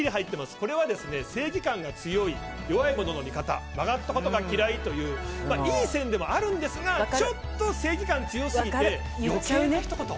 これは、正義感が強い弱い者の味方曲がったことが嫌いといういい線ではあるんですがちょっと正義感が強すぎて余計なひと言を。